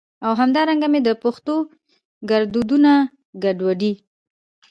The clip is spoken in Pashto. او همدا رنګه مي د پښتو ګړدودونه ګډوډي